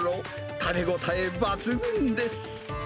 食べ応え抜群です。